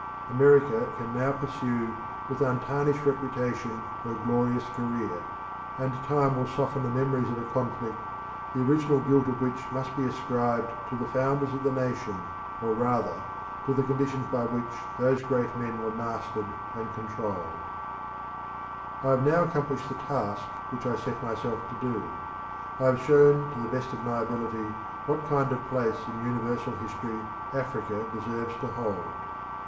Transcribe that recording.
America can now pursue with untarnished reputation her glorious career, and time will soften the memories of a conflict, the original guilt of which must be ascribed to the founders of the nation, or rather to the conditions by which those great men were mastered and controlled. Materials of Human History I have now accomplished the task which I set myself to do. I have shown to the best of my ability what kind of place in universal history Africa deserves to hold.